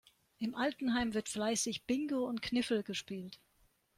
Im Altenheim wird fleißig Bingo und Kniffel gespielt.